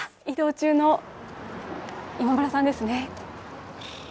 移動中の今村さんですね。